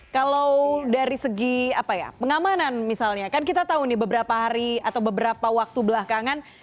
kalau dari segi pengamanan misalnya kan kita tahu nih beberapa hari atau beberapa waktu belakangan